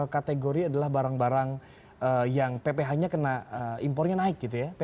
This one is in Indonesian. kategori adalah barang barang yang pph nya kena impornya naik gitu ya